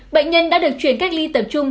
bệnh nhân đã được chuyển cách ly tập trung